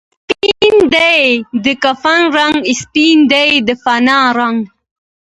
سپین دی د کفن رنګ، سپین دی د فنا رنګ